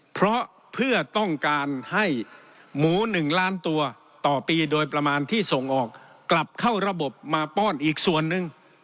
เพราะเพื่อต้องการให้หมู๑ล้านตัวต่อปีโดยประมาณที่ส่งออกกลับเข้าระบบมาป้อนอีกส่วนหนึ่ง